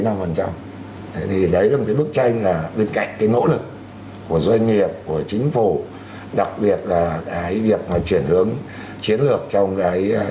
thế đấy là một cái bức tranh là bên cạnh cái nỗ lực của doanh nghiệp của chính phủ đặc biệt là cái việc mà chuyển hướng chiến lược trong cái